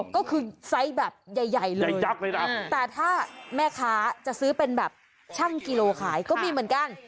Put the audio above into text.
ก็คือไซส์แบบใหญ่เลยใหญ่ยักษ์เลยนะแต่ถ้าแม่ค้าจะซื้อเป็นแบบช่างกิโลขายก็มีเหมือนกัน